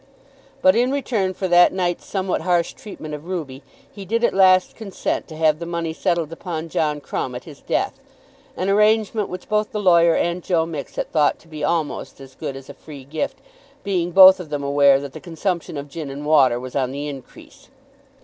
But, in return for that night's somewhat harsh treatment of Ruby, he did at last consent to have the money settled upon John Crumb at his death, an arrangement which both the lawyer and Joe Mixet thought to be almost as good as a free gift, being both of them aware that the consumption of gin and water was on the increase.